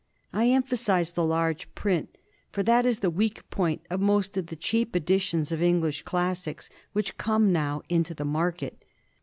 I emphasize the large print, for that is the weak point of most of the cheap editions of English Classics which come now into the market.